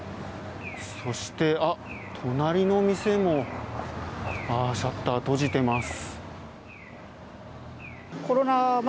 そして、隣の店もシャッター、閉じてます。